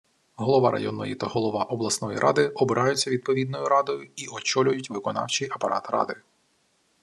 Голова районної та голова обласної ради обираються відповідною радою і очолюють виконавчий апарат ради